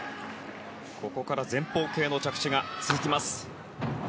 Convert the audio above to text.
ここから前方系の着地が続きます。